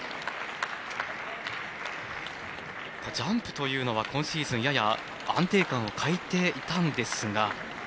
ジャンプというのは今シーズン、やや安定感を欠いていたんですが。